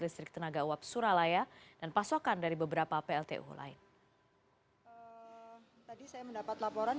listrik tenaga uap suralaya dan pasokan dari beberapa pltu lain tadi saya mendapat laporan